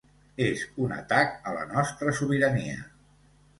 És un atac a la nostra sobirania.